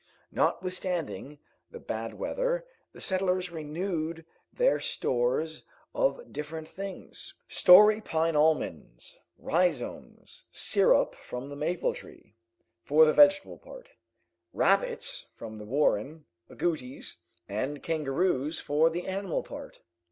Notwithstanding the bad weather, the settlers renewed their stores of different things, stone pine almonds, rhizomes, syrup from the maple tree, for the vegetable part; rabbits from the warren, agouties, and kangaroos for the animal part.